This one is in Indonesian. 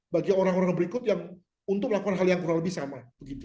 bagi orang orang berikut yang untuk melakukan hal yang kurang lebih sama